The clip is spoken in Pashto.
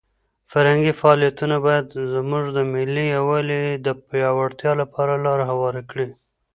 فرهنګي فعالیتونه باید زموږ د ملي یووالي د پیاوړتیا لپاره لاره هواره کړي.